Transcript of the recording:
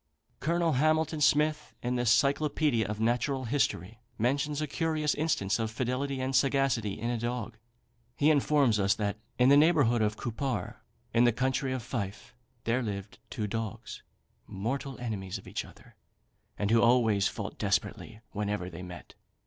Colonel Hamilton Smith, in the "Cyclopædia of Natural History," mentions a curious instance of fidelity and sagacity in a dog. He informs us that "in the neighbourhood of Cupar, in the county of Fife, there lived two dogs, mortal enemies to each other, and who always fought desperately whenever they met.